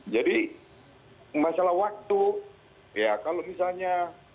jadi masalah waktu ya kalau misalnya